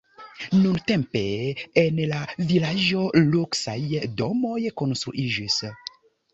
Nuntempe en la vilaĝo luksaj domoj konstruiĝis.